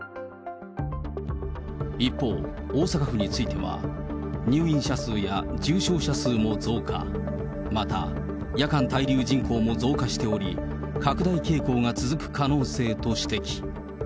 一方、大阪府については、入院者数や重症者数も増加、また、夜間滞留人口も増加しており、拡大傾向が続く可能性と指摘。